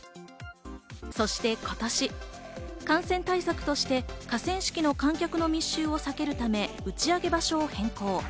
そして今年、感染対策として河川敷の観客の密集を避けるため、打ち上げ場所を変更。